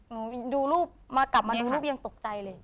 ดูรูปมากลับมาดูรูปยังตกใจเลย